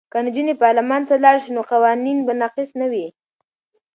که نجونې پارلمان ته لاړې شي نو قوانین به ناقص نه وي.